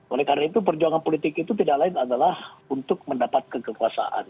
oleh karena itu perjuangan politik itu tidak lain adalah untuk mendapatkan kekuasaan